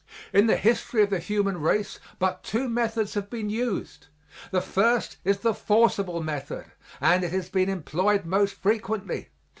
In the history of the human race but two methods have been used. The first is the forcible method, and it has been employed most frequently.